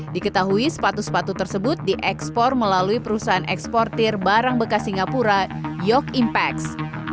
diketahui sepatu sepatu tersebut diekspor melalui perusahaan eksportir barang bekas singapura yok impacts